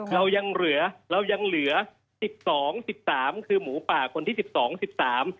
เรายังเหลือเรายังเหลือสิบสองสิบสามคือหมูป่าคนที่สิบสองสิบสาม